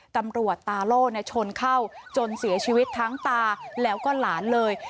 ตาโล่ชนเข้าจนเสียชีวิตทั้งตาแล้วก็หลานเลย